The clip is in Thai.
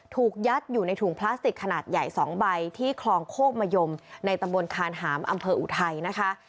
ถูกยัดอยู่ในถุงพลาสติกขนาดใหญ่๒ใบที่คลองโคกมะยมในตำบลคานหามอำเภออุทัยนะคะ